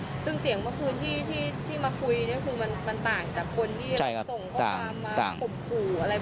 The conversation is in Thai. ซึ่งเสียงเมื่อคืนที่มาคุยนี่คือมันต่างจากคนที่